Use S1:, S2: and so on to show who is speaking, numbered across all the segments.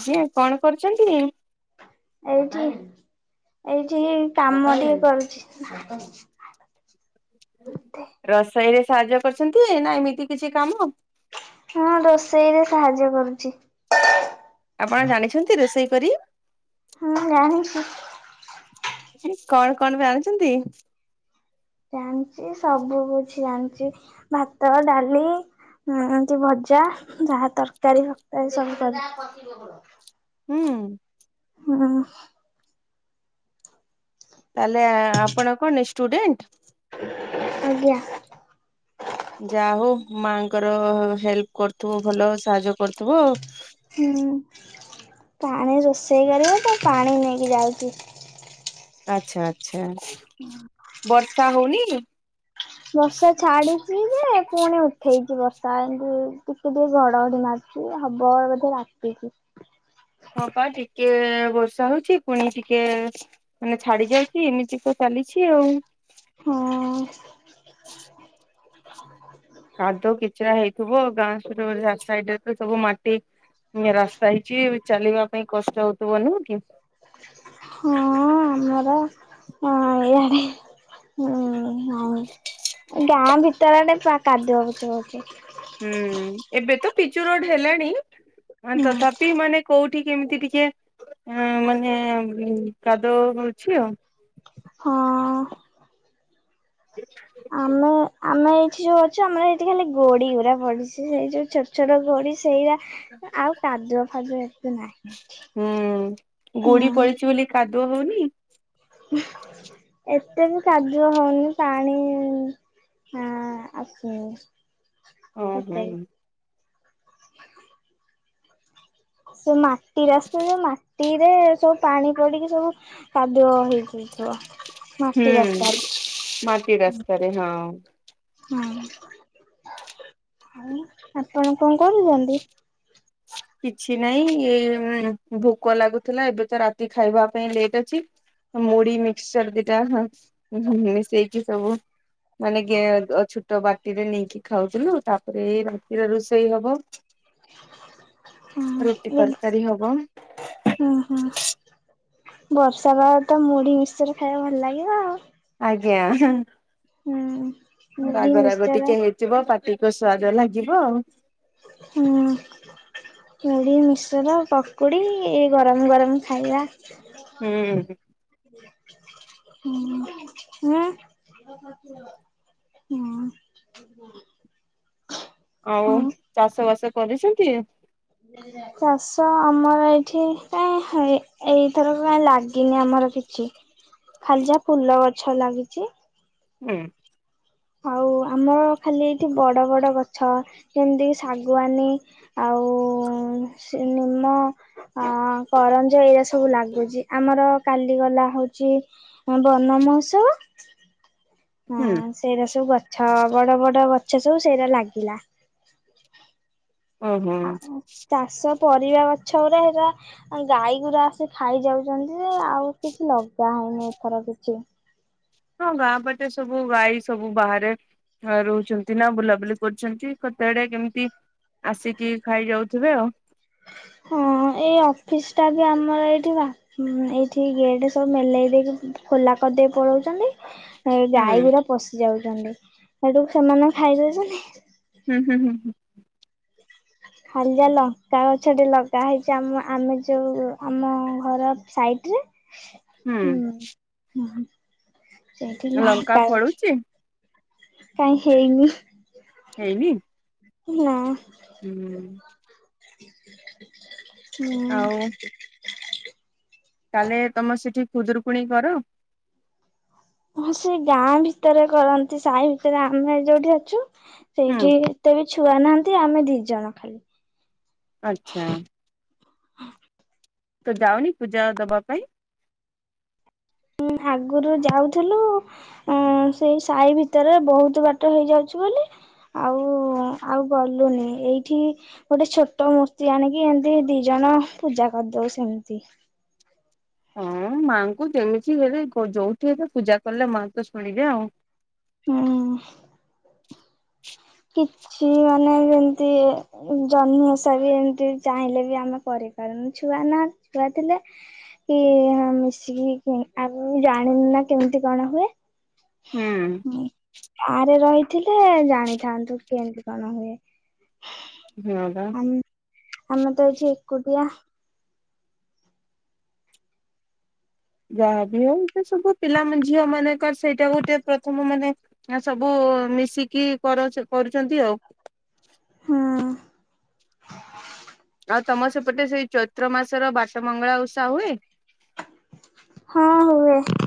S1: [unintelligible] କଣ କରୁଛନ୍ତି।
S2: ଏଇଠି ଏଇଠି କାମ ଟିକେ କରୁଛି
S1: [inaudible] ରୋଷେଇ ରେ ସାହାଯ୍ୟ କରୁଛନ୍ତି ନା ଏମିତି କିଛି କାମ
S2: ହଁ ରୋଷେଇରେ ସାହାଯ୍ୟ କରୁଛି।
S1: ଆପଣ ଜାଣିଛନ୍ତି ରୋଷେଇ କରି?
S2: ହଁ ଜାଣିଛି।
S1: ଆରେ କଣ କଣ ଜାଣିଛନ୍ତି।
S2: ଜାଣିଛି ସବୁ କିଛି ଜାଣିଛି ଭାତ ଡାଲି ହୁଁ ଏମତି ଭଜା ଯାହା ତରକାରୀ ଫରକାରୀ ସବୁ କରି
S1: ହୁଁ।
S2: ହୁଁ
S1: ତାହେଲେ ଆପଣ କଣ ଷ୍ଟୁଡେଣ୍ଟ୍
S2: ଆଜ୍ଞା।
S1: ଯା ହଉ ମାଙ୍କର ହେଲ୍ପ କରୁଥିବ ଭଲ ସାହାଯ୍ୟ କରୁଥିବ।
S2: ହୁଁ ପାଣି ରୋଷେଇ କରିବ ତ ପାଣି ନେଇକି ଯାଉଛି।
S1: ଆଛା ଆଚ୍ଛା।
S2: ଆଜ୍ଞା।
S1: ବର୍ଷା ହଉନି
S2: ବର୍ଷା ଛାଡିଛି ଯେ ପୁଣି ଉଠେଇଛି ବର୍ଷା ଏମତି ଟିକେ ଟିକେ ଘଡଘଡି ମାର କି ହବ ବୋଧେ ରାତିଛି।
S1: ହଁ ପା ଟିକେ ବର୍ଷା ହଉଛି ପୁଣି ଟିକେ ମାନେ ଛାଡି ଯାଉଛି ଏମିତି ତ ଚାଲିଛି ଆଉ।
S2: ହଁ।
S1: ପାାଦୁ କିଚୁରା ହେଇଥିବ ଗାଁ ସାଇ ସବୁ ମାଟି। ରାସ୍ତା ହେଇଛି ଚାଲିବା ପାଇଁ କଷ୍ଟ ହଉଥିବନୁ କି।
S2: ହଁ ଆମର ଇଆଡେ ହୁଁ ନାଇଁ ଗାଁ ଭିତରେ ଆଡ଼େ କାଦୁଅ ପୋଚ ଫୋଛ
S1: ହୁଁ ଏବେ ତ ପିଚୁ ରୋଡ ହେଲାଣି
S2: ହୁଁ।
S1: ତଥା ମାନେ କୋଉଠି କେମିତି ଟିକେ ଅ ମାନେ କାଦ ଅଛି ଆଉ।
S2: ହଁ। ଆମେ
S1: [inaudible]
S2: ଆମେ ଏଇଠି ଯୋଉ ଅଛୁ ଆମର ଏଇଠି ଖାଲି ଗୋଡି ଗୁଡା ପଡିଛି ସେଇ ଯୋଉ ଛୋଟ ଛୋଟ ଗୋଡି ସେଇରା ଆଉ କାଦୁଅ ଫାଦୁଅ ଏତେ ନାଇ।
S1: ହୁଁ ଗୋଡି ପଡିଛି ବୋଲି କାଦୁଅ ହଉନି।
S2: ଏତେ ବି କାଦୁଅ ହଉନି ପାଣି। ହଁ ଆ
S1: ଓ ହୋ।
S2: ସେ ମାଟି ରାସ୍ତା ମାଟିରେ ସବୁ ପାଣି ପଡ଼ିକି ସବୁ କାଦୁଅ ହେଇଯାଇଥିବ। ମାଟି
S1: ହୁଁ
S2: ରାସ୍ତାରେ।
S1: ମାଟି ରାସ୍ତା ରେ ହଁ।
S2: ହଁଉ ଆପଣ କଣ କରୁଛନ୍ତି?
S1: କିଛି ନାହି ଏଇ ଭୋକ ଲାଗୁଥିଲା ଏବେ ତ ରାତି ଖାଇବା ପାଇଁ ଲେଟ୍ ଅଛି। ମୁଢି ମିକ୍ସଚର ଦିଟା ହ ମିଶେଇକି ସବୁ। ମାନେ ଗେ ଛୋଟ ବାଟିରେ ନେଇକି ଖାଉଥିଲୁ ତାପରେ ଏଇ ରାତିରେ ରୋଷେଇ ହବ। ରୁଟି
S2: ହଁ ଏ
S1: ତରକାରୀ ହବ
S2: ହୁଁ ହୁଁ ବର୍ଷା ପାଗ ରେ ତ ମୁଢି ମିଶ୍ଚର ଖାଇବା ଭଲ ଲାଗିବ ଆଉ।
S1: ଆଜ୍ଞା ହଁ।
S2: ହୁଁ। ମୁଢି
S1: ରାଗ ରାଗ
S2: ମିକ୍ସଚର
S1: ଟିକେ ହେଇଥିବ ପାଟିକୁ ସ୍ୱାଦ ଲାଗିବ ଆଉ।
S2: ହୁଁ। ମୁଢି ମିଶ୍ଚର ପକୁଡି ଏଇ ଗରମ ଗରମ ଖାଇବା।
S1: ହୁଁଁ।
S2: [inaudible] ହଁ ହୁଁ ହୁଁ।
S1: ଆଉ
S2: ହଉ।
S1: ଚାଷ ବାସ କରିଛନ୍ତି?
S2: ଚାଷ ଆମର ଏଇଠି କାଇ ହେ ଏଇଥର କାଇ ଲାଗିନି ଆମର କିଛି ଖାଲି ଯା ଫୁଲ ଗଛ ଲାଗିଛି।
S1: ହୁଁ।
S2: ଆଉ ଆମର ଖାଲି ଏଇଠି ବଡ ବଡ ଗଛ ଯେମିତି ଶାଗୁଆନୀ ଆଉ ନିମ। ଅ କରଞ୍ଜ ଏଇଆ ସବୁ ଲାଗୁଛି ଆମର କାଲିଗଲା ହଉଛି। ହ ବନମହୋଉତ୍ସବ।
S1: ହୁଁ।
S2: ସେଇଟା ସବୁ ଗଛ ବଡ ବଡ ଗଛ ସବୁ ସେଇଟା ଲାଗିଲା।
S1: ଓହୋ
S2: ଚାଷ ପରିବା ଗଛ ଗୁଡା ହେରା ଗାଈଗୁରା ଆସି ଖାଇଯାଉଛନ୍ତି ଯେ ଆଉ କିଛି ଲଗା ହେଇନି ଏଥର କିଛି।
S1: ହଁ ଗାଁ ପାଟେ ସବୁ ଗାଈ ସବୁ ବାହାରେ ହ ରହୁଛନ୍ତି ନା ବୁଲାବୁଲି କରୁଛନ୍ତି କତେଆଡେ କେମିତି ଆସିକି ଖାଇ ଯାଉଥିବେ ଆଉ। [unintelligible]
S2: ହଁ ଏଇ ଅଫିସ ଟା ବି ଆମର ଏଇଠି ବା ଏଇଠି ଗେଟ୍ ସବୁ ମେଲେଇ ଦେଇକି ଖୋଲା କରିଦେଇକି ପଳଉଛନ୍ତି। ଏ
S1: ହୁଁ
S2: ଗାଈଗୁରା ପଶି ଯାଉଛନ୍ତି, ସେଠୁକୁ ସେମାନେ ଖାଇଦଉଛନ୍ତି।
S1: ହୁଁ ହୁଁ ହୁଁ।
S2: ହାଲି ଯା ଲଙ୍କା ଗଛଟେ ଲଗା ହେଇଛି ଆମ ଆମେ ଯେଉଁ ଆମ ଘର ସାଇଟ୍ ରେ
S1: [unintelligible]
S2: ହୁଁ ହଁ ସେଇଠି ଲଙ୍କା ଗଛ କାଇଁ ହେଇନି।
S1: ହେଇନି?
S2: ନା।
S1: ହୁଁ। ଆଉ
S2: ହୁଁ।
S1: ତାହେଲେ ତମ ସେଠି ଖୁଦୂରୁକୁଣି କର?
S2: ହଁ ସେ ଗାଁ ଭିତରେ କରନ୍ତି। ସାହି ଭିତରେ। ଆମେ ଯୋଉଠି ଅଛୁ
S1: ହୁଁ
S2: ସେଇଠି ଏତେ ବି ଛୁଆ ନାହାନ୍ତି ଆମେ ଦି ଜଣ ଖାଲି।
S1: ଆଚ୍ଛା। ତ ଯାଉନି ପୂଜା ଦବା ପାଇଁ?
S2: ହୁଁ ଆଗରୁ ଯାଉଥିଲୁ। ହଁ ସେଇ ସାହି ଭିତରେ ବୋହୁତ୍ ବାଟ ହେଇଯାଉଛି ବୋଲି ଆଉ ଆଉ ଗଲୁନି ଏଇଠି ଗୋଟେ ଛୋଟ ମୂର୍ତ୍ତି ଆଣିକି ଏମତି ଦି ଜଣ ପୂଜା କରିଦଉ ସେମିତି।
S1: ହଁ ମାଆଙ୍କୁ ଯେମିତି ହେଲେ ଯୋଉଠି ହେଲେ ପୂଜା କଲେ ମାଆ ତ ଶୁଣିବେ ଆଉ।
S2: ହୁଁ। କିଛି ମାନେ ଯେମିତି ଜହ୍ନି ଓଷା ବି ଏମିତି ଚାହିଁଲେ ବି ଆମେ କରିପାରୁନୁ ଛୁଆ ନାହାନ୍ତି ଛୁଆ ଥିଲେ କି ହଁ ମିଶିକି ଆ ଜାଣିନୁ ନା କେମିତି କଣ
S1: ହୁଁ
S2: ହୁଏ-' ଗାଁରେ ରହିଥିଲେ ଜାଣି କେମିତି କଣ ହୁଏ?
S1: ହଁ ବା।
S2: ଆ-ଆମେ ତ ଏଠି ଏକୁଟିଆ।
S1: ଯାହା ବି ହଉ ଏଟ ସବୁ ପିଲା ଝିଅ ମାନେଙ୍କର ସେଇଟା ଗୋଟେ ପ୍ରଥମ ମାନେ ସବୁ ମିଶିକି କର କରୁଛନ୍ତି ଆଉ।
S2: ହୁଁ।
S1: ଆଉ ତମ ସେପଟେ ସେଇ ଚୈତ୍ର ମାସର ବାଟ ମଙ୍ଗଳା ଓଷା ହୁଏ?
S2: ହଁ ହୁଏ।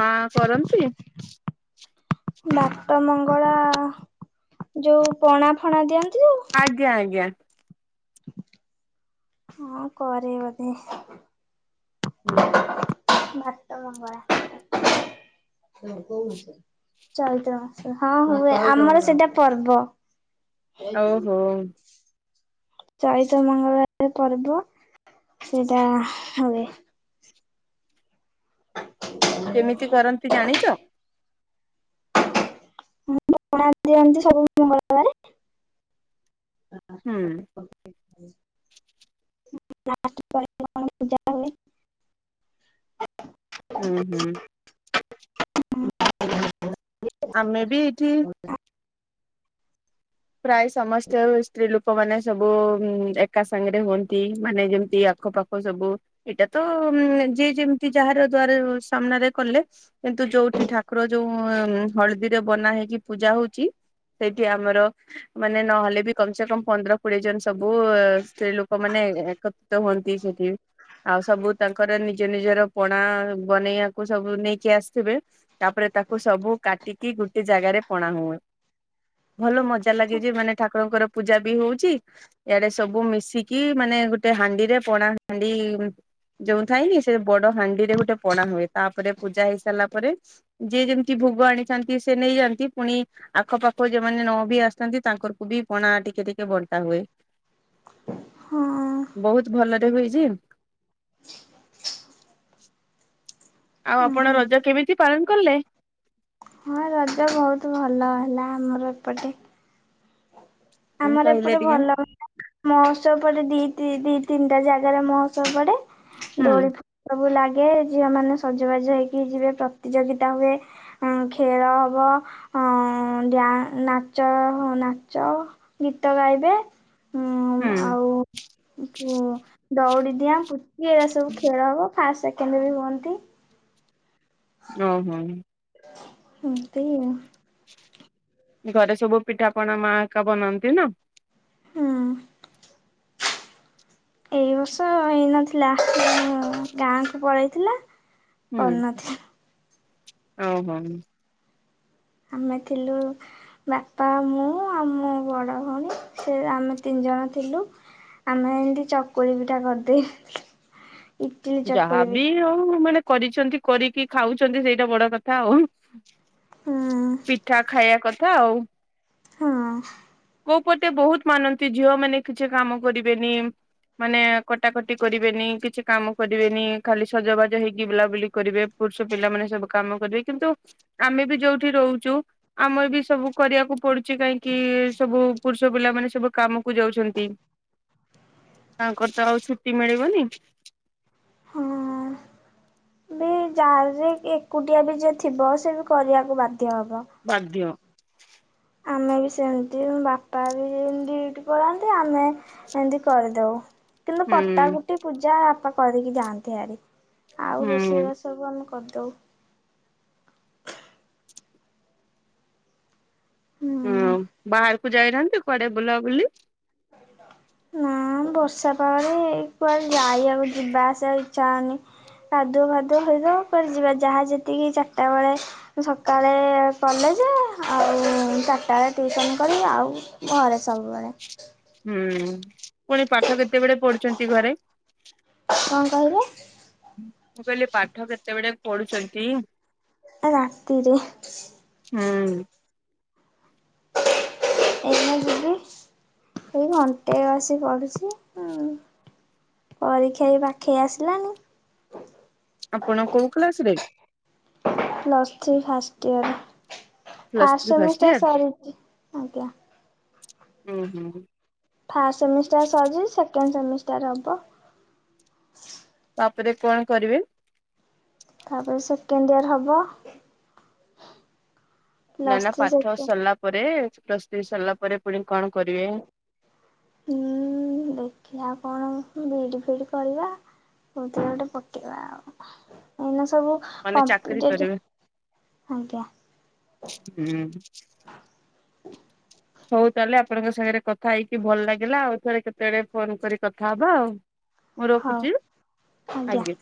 S1: ମା କରନ୍ତି?
S2: ବାଟ ମଙ୍ଗଳା, ଯୋଉ ପଣା ଫଣା ଦିଅନ୍ତି ଯୋଉ?
S1: ଆଜ୍ଞା ଆଜ୍ଞା।
S2: ହଁ କରେ ବଧେ।
S1: ହୁଁ ହୁଁ।
S2: ଭାତ ମଙ୍ଗଳା ହ କଉ ଓଷା? ଚୈତ୍ର ମାସ, ହଁ ହୁଏ ଆମର ସେଇଟା ପର୍ବ।
S1: ଓହୋ।
S2: ଚୈତ୍ର ମଙ୍ଗଳ ବାର ପର୍ବ ସେଟା ହୁଏ।
S1: କେମିତି କରନ୍ତି ଜାଣିଛ?
S2: ମୋ ମା ଯାଆନ୍ତି ସବୁ ମଙ୍ଗଳବାରେ।
S1: ହୁଁ।
S2: ଲାଷ୍ଟ ପାଳିରେ କଣ ପୂଯା
S1: ହୁଁ ହୁଁ
S2: ହୁଏ? [inaudible] [inaudible]
S1: ଆମେ ବି ଏଇଠି
S2: [unintelligible]
S1: ପ୍ରାୟ ସମସ୍ତ ସ୍ତ୍ରୀ ଲୋକ ମାନେ ସବୁ ଏକା ସାଙ୍ଗରେ ହୁଅନ୍ତି ମାନେ ଯେମିତି ଆଖପା ଖ ସବୁ ଏଇଟା ତ ଯିଏ ଯେମିତି ଯାହାର ଦ୍ଵାରେ ସାମ୍ନାରେ କଲେ। କିନ୍ତୁ ଯୋଉଠି ଠାକୁର ଯୋଉ ହଳଦୀରେ ବନା ହେଇକି ପୂଜା ହୋଉଚି। ସେଇଠି ଆମର ମାନେ ନହେଲେ ବି କମସେ କମ୍ ପନ୍ଦର କୋଡିଏ ଜଣ ସବୁ ସ୍ତ୍ରୀ ଲୋକ ମାନେ ଏକ ତ୍ରିତ ହଅନ୍ତି ସେଠି। ଆଉ ସବୁ ତାଙ୍କର ନିଜ ନିଜର ପଣା ବନେଇବାକୁ ସବୁ ନେଇକି ଆସିଥିବେ। ତାପରେ ତାକୁ ସବୁ କାଟିକି ଗୋଟେ ଜାଗାରେ ପଣା ହୁଏ। ଭଲ ମ ଜା ଲାଗେଜେ ମାନେ ଠାକୁରଙ୍କର ପୂଜା ବି ହୋଉଚି। ଇଆଡେ ସବୁ ମିଶିକି ମାନେ ଗୋଟେ ହାଣ୍ଡିରେ ପଣା ହାଣ୍ଡି ଯୋଉ ଥାଇଁ କି ସେ ବଡ ହାଣ୍ଡିରେ ଗୋଟେ ପଣା ହୁଏ। ତାପରେ ପୂଜା ହେଇସାରିଲା ପରେ ଯିଏ ଯେମିତି ଭୋଗ ଆଣିଥାନ୍ତି ସେ ନେଇଯାଆନ୍ତି। ପୁଣି ଆଖପାଖ ଯୋଉମାନେ ନ ବି ଆସି ଚନ୍ତି ତାଙ୍କରକୁ ବି ପଣା ଟିକେ ଟିକେ ବଣ୍ଟା ହୁଏ।
S2: ହଁ
S1: ବୋହୁତ ଭଲରେ ହୁଏ ଯେ ଆଉ
S2: ହଁ
S1: ଆପଣ ରଜ କେମିତି ପାଳନ କଲେ?
S2: ହଁ ରଜ ବୋହୁତ ଭଲ ହେଲା ଆମର ଏପଟେ।
S1: ହୁଁ
S2: ଆମର
S1: କହିଲେ
S2: ଏପଟେ
S1: ଟିକେ
S2: ଭଲ ମହୋତ୍ସବ ପଡେ ଦି ଦି ତିନିଟା ଜାଗାରେ ମହୋତ୍ସବ ପଡେ
S1: ହୁଁ।
S2: ଦୋଳି ସବୁ ଲାଗେ। ଝିଅ ମାନେ ସଜବାଜ ହେଇକି ଯିବେ ପ୍ରତିଯୋଗିତା ହୁଏ। ହଁ ଖେଳ ହବ ହଁ ଡ୍ୟା ନାଚ ନାଚ ଗୀତ ଗାଇବେ
S1: ହୁଁ।
S2: ଓ ଦୋଉଡି ଡିଆଁ ପୁଚି ଏଇରା ସବୁ ଖେଳ ହବ ଫାଷ୍ଟ ସେକେଣ୍ଡ ବି ହୁଅନ୍ତି।
S1: ଓ ହୋ।
S2: ଏମିତି
S1: ଘରେ ସବୁ ପିଠାପଣା ମା ଏକା ବନାନ୍ତି ନା?
S2: ହୁଁ। ଏଇ ବର୍ଷ ହେଇନଥିଲା ଗାଁକୁ ପଳାଇଥିଲା। କରି ନଥିଲା।
S1: ଓ ହଂ।
S2: ଆମେ ଥିଲୁ ବାପା ମୁଁ ଆଉ ମୋ ବଡ ଭଉଣୀ ସେ ଆମେ ତିନି ଜଣ ଥିଲୁ। ଆମେ ଏମିତି ଚକୁଳି ପିଠା କରିଦେଇ ଥିଲୁ।
S1: ଯାହାବି ହୋଉ ମାନେ କରିଚନ୍ତି କରିକି ଖାଉଚନ୍ତି ସେଇଟା ବଡ କଥା ଆଉ।
S2: ହୁଁ
S1: ପିଠା ଖାଇବା କଥା ଆଉ।
S2: ହଁ।
S1: କୋଉ ପଟେ ବୋହୁତ ମାନନ୍ତି। ଝିଅ ମାନେ କିଛି କାମ କରିବେନି। ମାନେ କଟାକଟି କରିବେନି କିଛି କାମ କରିବେନି ଖାଲି ସଜବାଜ ହେଇକି ବୁଲାବୁଲି କରିବେ। ପୁରୁଷ ପିଲାମାନେ ସବୁ କାମ କରିବେ କିନ୍ତୁ ଆମେ ବି ଯୋଉଠି ରହୁଚୁ। ଆମର ବି ସବୁ କରିବାକୁ ପଡୁଚି କାହିଁକି ସବୁ ପୁରୁଷ ପିଲା ମାନେ ସବୁ କାମକୁ ଯାଉଚନ୍ତି। ତାଙ୍କର ତ ଆଉ ଛୁଟି ମିଳିବନି।
S2: ଯାହର ଯିଏ ଏକୁଟିଆ ବି ଯଏ ଥିବ ସେବି କରିବାକୁ ବାଧ୍ୟ ହବ।
S1: ବାଧ୍ୟ।
S2: ଆମେ ବି ସେମିତି ମୋ ବାପା ବି [unintelligible] ଡିଉଟି ପଳାନ୍ତି। ଆମେ ଏମିତି କରିଦୋଉ। କିନ୍ତୁ
S1: ହୁଁ
S2: କଟାକୁଟି ପୂଜା ପା କରିକି ଯାଆନ୍ତି ହାରି ଆଉ
S1: ହୁଁ।
S2: ରୋଷେଇବାସ ସବୁ ଆମେ କରିଦଉ
S1: ହଁ
S2: ହୁଁ
S1: ବାହାରକୁ ଯାଇନାହାନ୍ତି? କୁଆଡେ ବୁଲାବୁଲି
S2: ନା ବର୍ଷା ପାଗରେ କୁଆଡେ ଯାଇ ଆକୁ ଯିବା ଆସିବା ଇଚ୍ଛା ହଉନି କାଦୁଅ ଫାଦୁଅ ହେଇଥିବ କୁଆଡେ ଯିବା ଯାହା ଯେତିକି ଚାରଟା ବେଳେ ସକାଳେ କଲେଜ ଆଉ ଚାରିଟା ବେଳେ ଟିଉସନ କରିବି ଆଉ ଘରେ ସବୁବେଳେ
S1: ହୁଁ ପୁଣି ପାଠ କେତେବେଳେ ପଢୁଛନ୍ତି ଘରେ?
S2: କଣ କହିଲେ
S1: ମୁଁ କହିଲି ପାଠ କେତେବେଳେ ପଢୁଛନ୍ତି।
S2: ରାତିରେ।
S1: ହୁଁ
S2: ଏଇନା ଯିବି। ଏଇ ଘଣ୍ଟେ ବସିକି ପଡ଼ୁଚି ଆଉ। ପରୀକ୍ଷା ବି ପାଖେଇ ଆସିଲାନି।
S1: ଆପଣ କୋଉ କ୍ଲାସ୍ ରେ?
S2: Plus three first year
S1: plus
S2: first
S1: three
S2: semester ଟା
S1: ଇୟର?
S2: ସରିଛି ଆଜ୍ଞା।
S1: ହୁଁ ହୁଁ
S2: ଫାଷ୍ଟ ସେମିଷ୍ଟାର ସରିଚି ସେକେଣ୍ଡ ସେମିଷ୍ଟାର ହବ।
S1: ତାପରେ କଣ କରିବେ?
S2: ତାପରେ ସେକେଣ୍ଡ ଇୟର ହବ।
S1: ନା
S2: ପ୍ଲସ୍
S1: ନା
S2: ଥ୍ରୀ
S1: ପାଠ
S2: ସେକେ
S1: ସରିଲା ପରେ ପ୍ଲସ ଥ୍ରି ସରିଲା ପରେ ପୁଣି କଣ କରିବେ?
S2: ଉଁ ଦେଖିବା କଣ ବିଇଡି ଫିଇଡି କରିବା। କୋଉଥିରେ ଗୋଟେ ପକେଇବା ଆଉ। ଏଇନା ସବୁ
S1: ମାନେ ଚାକିରି କରିବେ।
S2: କମ୍ପିଡେଟିଭ ଅଜ୍ଞା।
S1: ହୁଁ ହଉ ତାଲେ ଆପଣଙ୍କ ସାଙ୍ଗରେ କଥା ହେଇକି ଭଲ ଲାଗିଲା। ଆଉ ଥରେ କେତେବେଳେ ଫୋନ କରି କଥା ହବା ଆଉ। ମୁଁ
S2: ହଉ
S1: ରଖୁଛି ଆଜ୍ଞା।